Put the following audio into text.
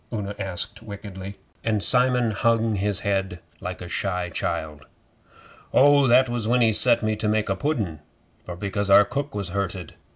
Una asked wickedly, and Simon hung his head like a shy child. 'Oh, that was when he set me to make a pudden, for because our cook was hurted.